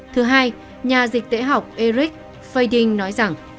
thứ hai nhà dịch tễ học eric faidin nói rằng